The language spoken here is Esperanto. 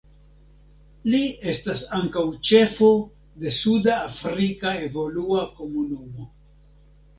Li estas ankaŭ ĉefo de Suda Afrika Evolua Komunumo.